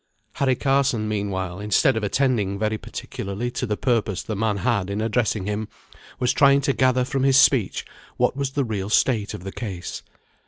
Harry Carson, meanwhile, instead of attending very particularly to the purpose the man had in addressing him, was trying to gather from his speech what was the real state of the case.